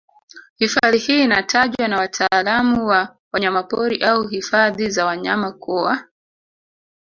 Hifadhi hii inatajwa na wataalamu wa wanyapori au hifadhi za wanyama kuwa